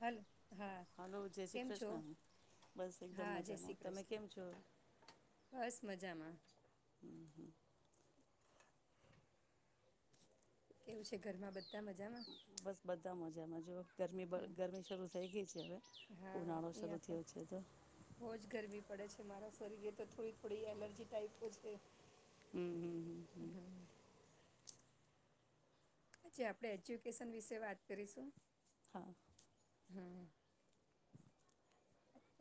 બલ હલો જય શ્રી કૃષ્ણ બસ એકદમ હા જય મજામાં. શ્રી તમે કૃષ્ણ કેમ છો? બસ મજામાં. કેવું છે ઘરમાં બધા. મજામાં બસ બધા મજામાં જોને. ગરમી બ હમ ગરમી શરૂ થઈ ગઈ છે હવે. હા એ ઉનાળો શરૂ પણ થયો છે તો બોજ ગર વી પડે છે મારા શરીરે તો થોડી થોડી એલર્જી ટાઈપો છે. હમ હમ હમ હમ્મ આજે આપણે એજ્યુકેશન વિશે વાત કરીશું. હા. હમ્મ.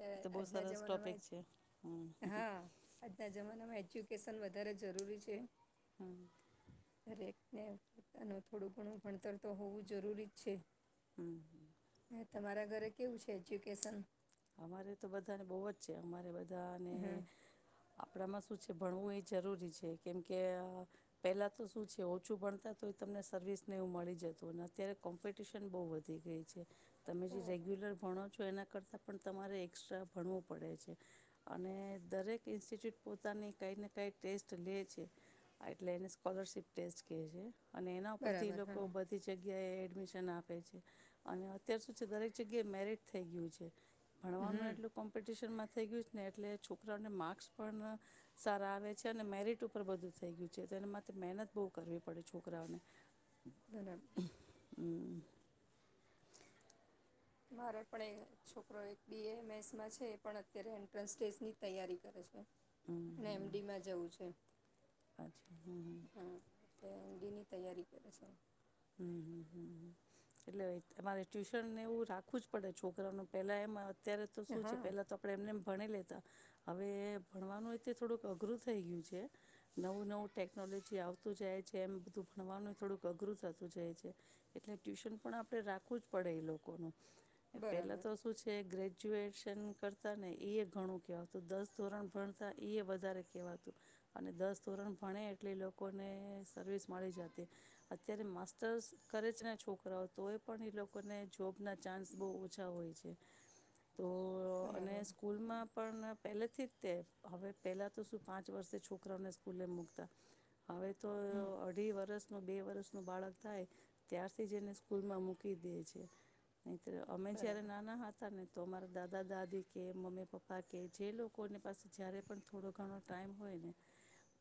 અ એ તો બહુ આજના સરસ ટોપિક છે હમ જમાનામાં હા આજના જમાનામાં એજ્યુ કેશન વધારે જરૂરી છે. હમ્મ. ને પોતાને થોડું ઘણું ભણતર તો હોવું જરૂરી જ છે. હ હ. ને તમારા ઘરે કેવું છે એજ્યુકેશન? અમારે તો બધાને બોવ જ છે. અમારે બ હા ધાને, આપળામાં સ શું છે ભણવું એ જરૂરી છે. કેમ કે, પહેલાં તો શું છે ઓછું ભણતા તો એ તમને સર્વિસને એવું મળી જતું. ને અત્યારે કોમ્પિટિશન બોવ વધી ગઈ છે. તમે જે બરાબર રેગ્યુલર ભણો છો એના કરતા પણ તમારે એસ્ટ્રા ભણવું પડે છે. અને દરેક ઇન્સ્ટિટ્યૂટ પોતાની કંઈ ને કાંઈ ટેસ્ટ લે છે. એટલે એને સ્કોલરશિપ ટેસ્ટ કહે છે. અને એના ઉપરથી ઈ બરાબર હા લોકો બધી જગ્યા એ એડમિશન આપે છે. અને અત્યાર સુધી દરેક જગ્યાએ મેરિટ થઈ ગયું છે. ભણવાનું હમ એટલું કોમ્પિટિશનમાં થઈ ગયું છ ને એટલે છોકરાઓને માર્ક્સ પણ સારા આવે છે અને મેરિટ ઉપર બધું થઈ ગયું છે. તો એના માટે મહેનત બોવ કરવી પડે છોકરાઓને. ધનમ હમ્મ. મારે પણ એ છોકરો એક બી એમ એસમાં છે. પણ અત્યારે એન્ટ્રન્સ ટેસ્ટની તૈયારી કરે છે. હમ એને એમ હમ ડીમાં જવું છે. અચ્છા હમ હમ હમ્મ. તો એમ ડીની તૈયારી કરે છે. હમમ હમ્મ હમ્મ હં. એટલે તમારે ટ્યુશન ને એવું રાખવું જ પડે છોકરાનું પેલા એમાં અત્યારે તો શું છે હા પેલા તો આપડે એમનેમ ભણી લેતા. હવે ભણવાનું એ તે થોડુંક અઘરું થઈ ગયું છે. નવું નવું ટેકનોલોજી આવતું જાય છે, એમ બધું ભણવાનું થોડુંક અઘરું થત તૂ જાય છે. એટલે ટ્યુશન પણ આપણે રાખવું જ પડે ઈ લોકોનું. પેલા બરાબર તો શું છે ગ્રે જ્યુએશન કરતાં ને ઈ એ ઘણું કહેવાતું. દસ ધોરણ ભણતા ઈ એ વધારે કહેવાતું. અને દસ ધોરણ ભણે એટલે લોકોને સર્વિસ મળી જતી. અત્યારે માસ્ તસ કરે છેને છોકરાઓ, તો એ પણ એ લોકોને જોબના ચાન્સ બોવ ઓછા હોય છે. તો બરાબર અને હમ સ્કૂલમાં પણ પહેલેથી જ તે, હવે પહેલાં તો શું પાંચ વર્ષે છોકરાઓને સ્કૂલે મૂકતા. હવે તો હમ, અઢી વરષ નો બે વરષ નો બાળક થાય, ત્યારથી જ એને સ્કૂલમાં મૂકી દે છે. નયતર અમે જ્યારે બરાબર નાના હતા ને તો અમારા દાદા દાદી કે મમ્મી પપ્પા કે જે લોકોની પાસે જ્યારે પણ થોડો ઘણો ટાઈમ હોય ને.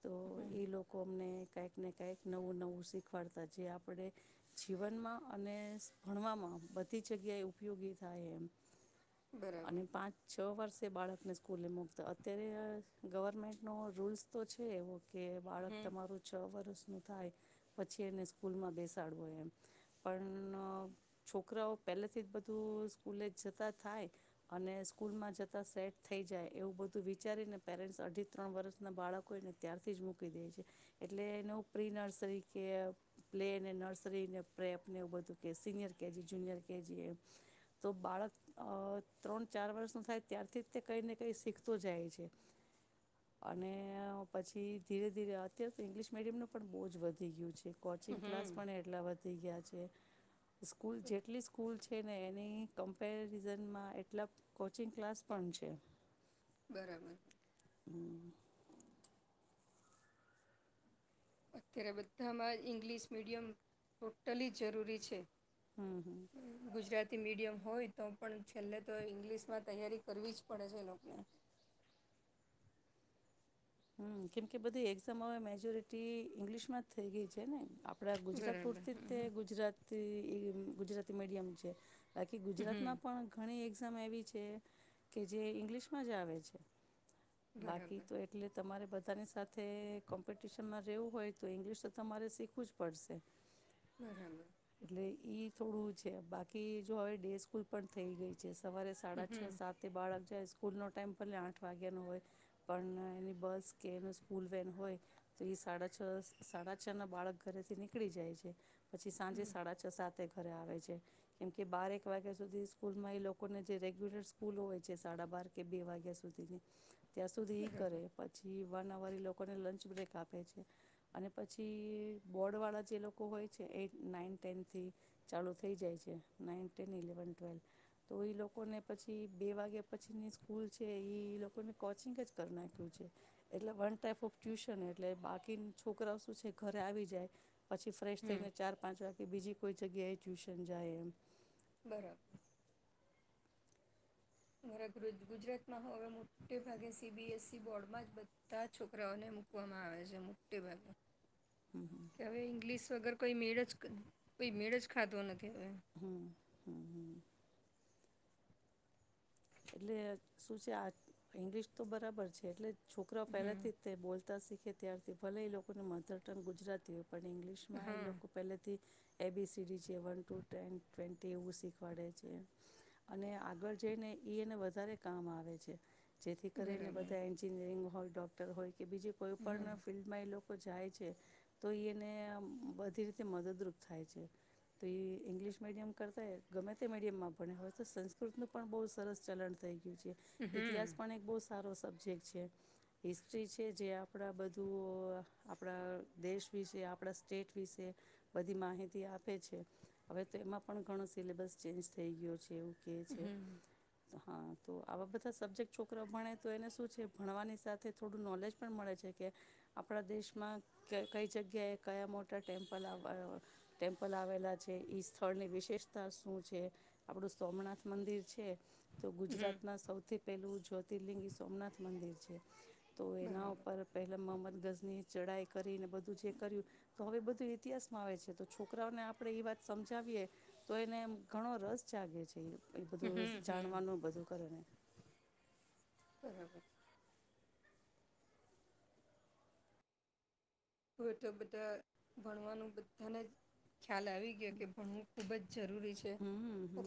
તો હમ એ લોકો અમને. કંઈક ને કઈક નવું નવું શીખવાડતા જે આપ પણે જીવનમાં અને ભણવામાં બધી જગ્યાએ ઉપયોગી થાય એમ. બરાબર અને પાંચ છ વર્ષ. તે બાળકને સ્કૂલે મકતા અત્યારે અ ગવર્મેન્ટનો રૂલ્સ તો છે એવો. કે બાળક હમ તમારું છ વર્ષ થાય પછી એને સ્કુ કૂલમાં બેસાડવોય એમ પણ અ છોકરાઓ પહેલેથી જ બધું સ્કૂલે જ જતાં થાય અને સ્કૂલમાં જતાં સેટ થઈ લ જાય એવું બધું વિચારીને પેરેન્ટ્સ અઢી ત્રણ વર્ષના બાળકો એને ત્યારથી જ મૂકી દે છે એટલે એનેવું પ્રી નર્સરી કે પ્લે ને નર્સરીને પ્રલેપને એવું બધું કે સિનિયર કેજી, જુનિયર કેજી એમ તો બાળક અ ત્રણ, ચાર વર્ષનું થાય ત્યારથી જ તે કંઈ ને કંઈ શીખતો જાય છે અને પછી ધીરે ધીરે અત્યારે તો ઇંગ્લિશ મીડિયમનું પણ બહુ જ વધી ગયું છે. કોચિંગ ક્લાસ હમ પણ એટલા વધી ગયા છે. એ સ્કૂલ જેટલી સ્કૂલ છે. એ ને એની કમ્પેરિઝનમાં એટલા કોચિંગ ક્લાસ પણ છે. બરાબર. અત્યારે બધામાં ઇંગ્લિશ મીડિયમ ટોટલી જરૂરી છે. હમ્મ. તી મીડિયમ હોય તો પણ છેલ્લે તો ઇંગ્લિશ માં તૈયારી કરવી જ પડે છે એ લોકોને. હમ્મ કેમ કે બધી એક્ઝામ હવે મેજોરિટી ઇંગ્લિશ માં જ થઇ ગઈ છે ને આપ પણા ગુજરાત બરાબર પૂરતી રીતે ગુજરાતી ઈ ગુજરાતી મીડિયમ છે. બાકી હમ ગુજરાત હમ માં પણ ઘણી એક એવી છે કે જે ઇંગ્લિશમાં જ આવે છે. બાકી બરાબર તો એ એટલે તમારે બધાની સાથે કોમ્પિટિશનમાં રહેવું હોય તો ઇંગ્લિશ તો તમારે શીખવું જ પડશે. બરાબર એટલે એઈ થોડું છે બાકી જો હવે ડે સ્કૂલ પણ થઈ ગઈ છે. સવારે સાડા હમ છ સાત બાળક જાય સ્કૂલ નો ટાઈમ પલે આઠ વાગ્યાનો હોય પણ એની બસ કે એનો સ્કૂલ વેન હોય તો એ સાડા છ સાડા છ ના બાળક ઘરેથી નીકળી જાય છે. પછી સાંજે સાડા છ સાત તે ઘરે આવે છે કેમ કે બારક વાગ્યા સુધી સ્કૂલમાં એ લોકોને જે રેગ્યુલર સ્કૂલ હોય છે સાડા બાર કે બે વાગ્યા સુધીની ત્યાં સુધી હ બરાબર કરે. પછી વન અવર એ લોકોને લંચ બ્રેક આપે છે અને પછી બોર્ડવાળા જે લોકો હોય છે એ નાઇન ટેનથી ચાલુ થઈ જાય છે નાઈન ટેન ઇલેવન ટ્વેલ્વ તો એ લોકોને પછી બે વાગ્યા પછીની સ્કૂલ છે એ લોકોને કોચિંગ જ કરી નાખ્યું છે. એટલે વન ટાઈપ ઓફ ટ્યુશન એટલે બાકી છોકરા શું છે ઘરે આવી જાય. પછી ફ્રેશ હમ થઈને ચાર પાંચ વાગે બીજી કોઈ જગ્યાએ ટ્યૂશન જ આમ બરાબર. રે ગુજરાતમાં હવે મોટે ભાગે સીબીએસઇ બોર્ડમાં જ બધા છોકરાઓને મૂકવામાં આવે છે મોટે ભાગે. કે હવે ઇંગ્લિશ વગર કોઈ મેળ જ કોઈ મેળ જ ખાધો નથી. હવે હમ હમ હમ. એટલે શું છે આ ઇંગ્લિશ તો બરાબર છે એટલે છોકરાઓ હમ પહેલાથી તે બોલ તા શીખે ત્યારથી ભલે એ લોકોને મધર ટંગ ગુજરાતીઓ. પણ ઈંગ્લિશ માં હા એ લોકો પહેલાથી. એબીસીડી છે વન ટુ ટેન ટ્વેન્ટી એવું શીખવાડે છે અને આગળ જઈને. એ એને વધારે કામ આવે છે. જેથી કરીને બરાબર બધા એન્જિનિયરિંગ. હોય ડોક્ટર હોય. કે બીજ કોઈ હમ પણણ ફિલ્ડમાં એ લોકો. લોકો જાય છે તો એને બધી રીતે મદદરૂપ થાય છે તો એ ઇંગ્લિશ મીડિયમ કરતાં ગમે તે મીડિયમમાં ભણે હવે તો સંસ્કૃતનું પણ બહુ સરસ. ચલણ થાય. હમ ઇતિહાસ પણ એક બહ સારો શબ્દ. જે છે હિસ્ટ્રી છે જે આપણા બધું આપણા દેશ વિશે આપણા સ્ટેટ વિશે બધી માહિતી આપે છે હવે તો એમાં પણ ઘણો સિલેબસ ચેન્જ થઈ ગયો છે એવું. કે છે. હમ હા તો આવા બધા સબ્જેક્ટ છોકરા ભણે તો એને શું છે ભણવાની સાથે થોડું નોલેજ પણ મળે છે કે આપણા દેશમાં ક કઈ જગ્યાએ કયા મોટા ટેમ્પલ ટેમ્પલ આવેલા છે એ સ્થળની વિશેષતા શું છે આપણું સોમનાથ મંદિર છે. તો હમ ગુજરાતના સૌથી પહેલું જ્યોતિર્લિંગી સોમનાથ મંદિર છે. [inaudible] તો એના બરાબર ઉપર પેલા મોહમ્મદ ગઝની. ચઢાઈ કરીને બધું જે કર્યું તો હવે બધું ઇતિહાસમાં આવે છે તો છોકરાઓને આપણે એ વાત સમજાવીએ તો એને ઘણો રસ જાગે છે. એ હમ બધ. હમ જાણવાનું બધું કરે. હમ હ. હય તો બધા ભણવાનું બધાને જ ખ્યાલ આવી ગ. ભણવું ખુબ જ જરૂરી છે હમ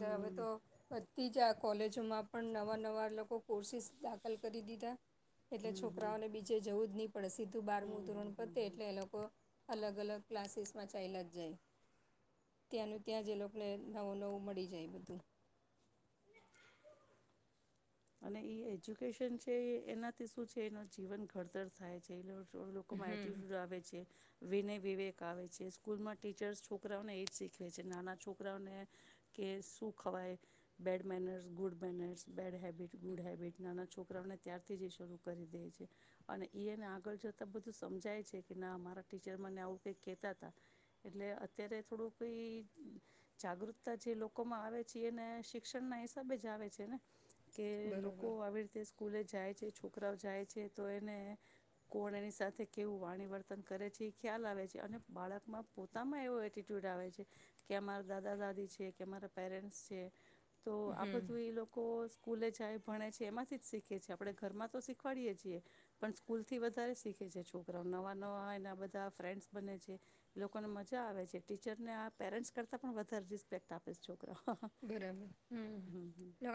હવે તો બધી જ. કોલેજોમાં પણ નવા નવા લોકો કોર્સિસ દાખલ કરી દીધા. એટલે છોકરાઓને બીચે જવું જ નહીં પે સીધું બારમું ધોરણપદ. તે એટલે એ લોકો અલગ અલગ ક્લાસીસ. ચાલલા જ જાય ત્યાંનું ત્યાં જે લોકોને નવું નવું મળી જાય બધું. અને એજ્યુકેશન છે એનાથી શું છે એનું જીવન ઘડતર થાય છે એ. લોકો મા હમ આઈટી સુજ આવે છે. વિનય વિવેક આવે છે સ્કૂલમાં ટીચર્સ છોકરાઓને એ જ શીખવે છે નાના છોકરાઓને કે શું ખવાય bad manners good manners bad habit. Good habit નાના છોકરાઓને ત્યારથી જ એ શરૂ કરી દે છે અને એને આગળ જતાં બધું સમજાય છે કે ના મારા ટીચર મને આવું કંઈક કહેતા હતા એટલે અત્યારે થોડું કઈ જાગૃતતા જે લોકોમાં આવે છે એને શિક્ષણના હિસાબે જ આવે છે ને. કે લોકો બરોબર આવી રીતે સ્કૂલે જાય છે. છોકરાઓ જાય છે તો એને કોણ એની સાથે કેવું વાણી વર્તન કરે છે એ ખ્યાલ આવે છે અને બાળકમાં પોતામાં એવો એટિટ્યૂડ આવે છે કે અમારા દાદા દાદી છે કે અરા પેરેન્ટ્સ છે. તો આ હમ બધું એ લોકો. સ્કૂલે જાય ભણે છે એમાંથી જ શીખે છે આપણે ઘરમાં તો શીખવાડીએ છીએ પણ સ્કૂલથી વધારે શીખે છે છોકરાઓ નવા નવા એના બધા ફ્રેન્ડ્સ બને છે લોકોને મજા આવે છે ટીચરને આ પેરેન્ટ્સ કરતાં પણ વધારે રિસ્પેક્ટ આપે છો. બરાબર હમ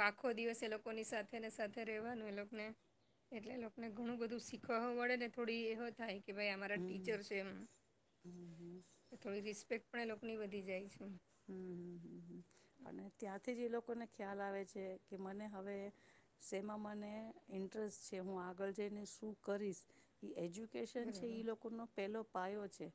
આખો. દિવસે એ લોકોની સાથે ને સાથે રહેવાનું એ લોકોને એટલે એ લોકોને ઘણું બધું શીખ પડે ને થોડી એવ થાય. કે ભાઈ અમારા હમ, ટીચર્સ એમ કે થોડી રિસ્પેક્ટ. આપણે લોકોની વધધી જાય છે. હમ હમ હમ હ અને ત્યાંથી જ એ લોકોને ખ્યાલ આવે છે કે મને હવે શેમાં મને ઇન્ટરેસ્ટ છે હું આગળ જઈને શું કરીશ એ એજ્યુ. કેન છે બરાબર લોકોનો પહેલો. પાયો છે.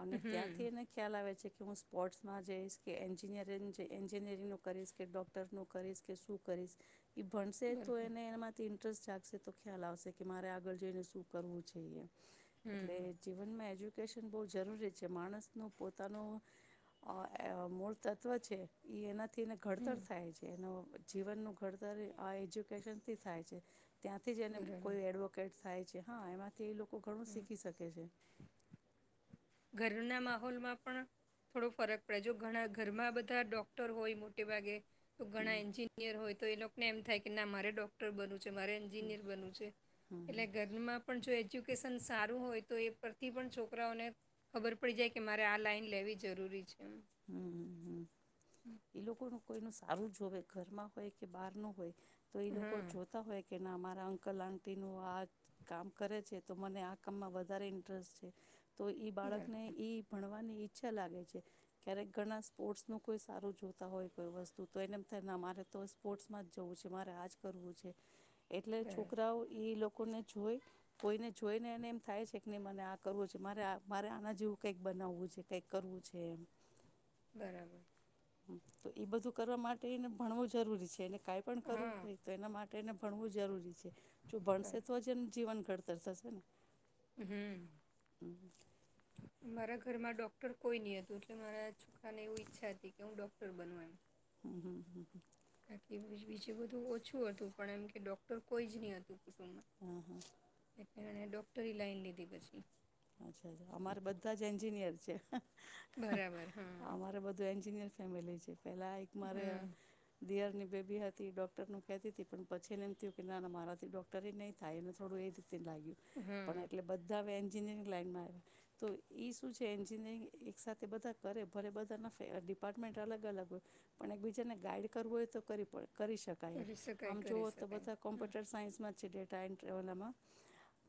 અને ત્યાંથી હમ. એને ખ્યાલ આવે છે. હું સ્પર્ટ્માં. જઈશ કે એન્જિનિયરિંગ એન્જિનિયરિંગનુંું કરીશ કે ડોક્ટરનુંું કરીશ કે શું કરીશ. એ ભણશે તો બરોબર એને એનામાંથી. સ જાગશે તો ખ્યાલ આવશે કે મારે આગળ જઈને શું કરવું છેઈએ. એટલે હમ જીવનમાં હજુ. એ્યુકેશન બહુ જરૂરી છે માણસનું પોતાનું. અ મૂળ તત્ત્વ છે એ એના. થીને ઘડતર હમ. થાય છે એનો. જીવનનું ઘડતર આ એજ્યુકેશનથી થાય છે. ત્યાંથી જ એને બરાબર કોઈ એડવોકેટ થાય. હા એમાં. તે એ લોકો ઘણું હમ. શીખી શકે છે. ઘરના માહોલમાં પણ થોડો ફરક પડે જો ઘણા ઘરમાં બધા ડોક્ટર હોય મોટે ભાગે. તો હમ ઘણા એન્જિનિયર હોય. તો એ લોકોને એમ થાય કે ના મારે ડોક્ટર બન. રે એ એટલે ઘરમાં. એજ્યુકેશન સારું હોય તો એ પરથી પણ છોકરાઓને. ખબર પડી જાય કે મારે આ લાાઈન લેવી જરૂરી છે. એમ. હમ હમ એ લોકોનું. કોઈનું સારું જોવે ઘરમાં હોય કે બહાર નું હોય. તો એ લોકો હા. જોતા હોય કે. ના મારા અંકલ આંટીનું આ કામ કરે છે તો મને આ કામમાં વધારે ઇન્ટરેસ્ટ છે. તો એ બાળકને બરાબર એ ભણવાની. ઈચ્છા લાગે છે. ક્યારેક ઘણા સ્પોર્ટ્સનું કોઈ સારું જોતા હોય કોઈ વસ્તુ તો એને એમ થાય ના મારે તો સ્પોર્ટ્સમાં જ જવું છે મારે આ જ કરવું છે. એટલે બરાબર છોકરાઓ લોકો. લોકોને જોઈ કોઈને જોઈને એને એમ થાય છે કે નને મને આ કરવું છે મારે આ મારે આના જેવું કંઈક બનાવવું છે કંઈક કરવું છે એમ. બરાબર. તો એ બધું કરવા માટેને ભણવું જરૂરી છે એને. કાંઈ પણ કરવું હા. હોય તો એના માટે. એને ભણવું જરૂરી છે. જો બરાબર. બણશેત્વજન જીવન. ખડતર થશે ને. હમ. હમ. મારા ઘર માં ડોક્ટર કોઈ નહ હતું એટલે મારા છોખરાને એવું ઈચ્છા હતી કે હું ડોક્ટર બનવ એમ. હમ હમ હ. બાકી બીજું બધું ઓછું હતું પણ એમ કે ડોક્ટર કોઈ જ નહી હતું કુટુંબ. હ હા. એ ડોક્ટરી લાઈન લીધી પછી. અચ્છાા અમારે બધા જ એન્જિનિયર. છે. બરાબર હા અમારે બધું એન્જિનિયર. સામે લઈ છે. પેલા એક મારે હમ દિયારની. બેબી હતી ડોક્ટર નું કહેતી હતી પણ પછી એને એમ થયું કે ના મારાથી ડોક્ટર નહીં થાય એને થોડું એ જ. લાગ્યું પણ હા એટલે બધા વ. એન્જિનિયરિંગ લાાઈનમાં આવે તો એ શું છે એન્જિનિયરિંગ એક સાથેથે બધા કરે ભલે બધાનાે ડિપાર્ટમેન્ટ અલગ અલગ હોય પણ એકબીજાને ગાઈડ કરવું હોય તો કરવી પડે. કરી શકાય એમ કરી શકાય આમ કરી જોુઓ તો શકાય બધા હમ કોમ્પ્યુટર સાયન્સમાં છે ડેટ. ટાઈમ ટવલમાં.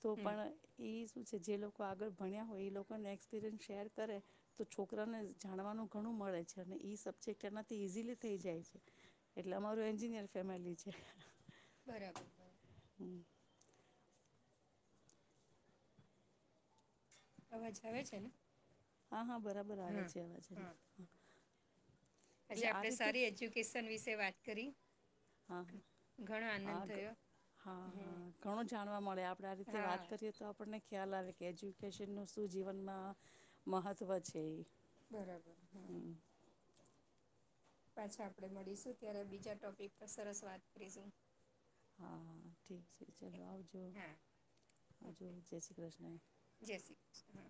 તો હમ પણ ઈ. જે જે લોકો આગળ ભણ્યા હોય એ લોકોને એક્સપિરિયન્સ શેર કરે તો છોકરાને જાણવાનું ઘણું મળે છે અને એ સબ્જેક્ટ એનાથી ઇઝીલી થઈ જાય છે એટલે અમારું એન્જિનિયર ફેમિલી છે. બરાબર બરાબર. અવાજ આવે છે ને. હા હા બરાબર આવે હા છે અવાજને હા બરાબર. આજે એટલે આ આપણે રીતે. સારી એજ્યુકેશન વિશે વાત કરી. અહ ઘણો આનંદ અહ થયો હા હમ હા ઘણું જાણવા મળે આપણે આ રીતે હા વાત કરીએ તો આપણને ખ્યાલ આવે કે એજ્યુકેશનનું શું જીવનમાં મહત્ત્વ છે એ બરાબર હમ હા પાછા આપણે મળીશું ત્યારે બીજા ટોપિક પર સરસ વાત કરીશું હા હા ઠીક છે ચાલો આવજો હા આવજો ઓકે જય શ્રી કૃષ્ણ જય શ્રી કૃષ્ણ હા